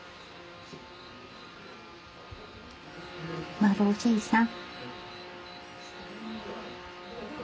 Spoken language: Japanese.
まるおじいさん。